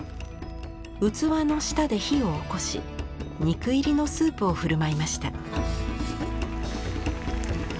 器の下で火を起こし肉入りのスープを振る舞いました。